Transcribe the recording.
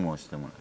え！